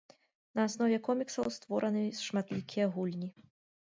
На аснове коміксаў створаны шматлікія гульні.